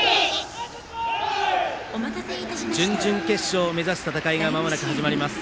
準々決勝を目指す戦いがまもなく始まります。